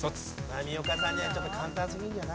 波岡さんにはちょっと簡単すぎるんじゃない？